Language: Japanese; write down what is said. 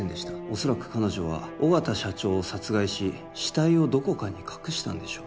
恐らく彼女は緒方社長を殺害し死体をどこかに隠したんでしょう